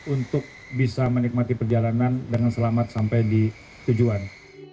untuk bisa menikmati perjalanan dengan selamat sampai di tujuan